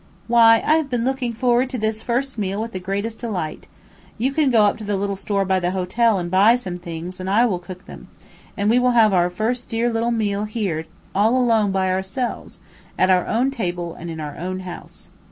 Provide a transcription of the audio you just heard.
Why, I have been looking forward to this first meal with the greatest delight. You can go up to the little store by the hotel and buy some things and I will cook them, and we will have our first dear little meal here all alone by ourselves, at our own table and in our own house."